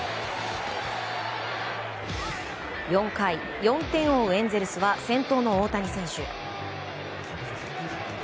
４回、４点を追うエンゼルスは先頭の大谷選手。